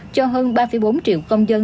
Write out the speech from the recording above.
cho hơn ba bốn triệu công dân